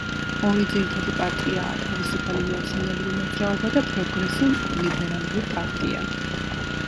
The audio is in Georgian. ორი ძირითადი პარტიაა თავისუფალი ნაციონალური მოძრაობა და პროგრესულ ლიბერალური პარტია.